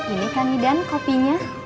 ini kan idan kopinya